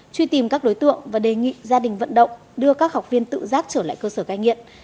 truy tìm các đối tượng và đề nghị gia đình vận động đưa các học viên tự giác trở lại cơ sở cai nghiện